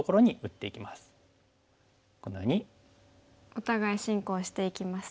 お互い進行していきますね。